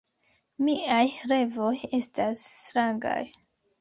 Miaj revoj estas strangaj.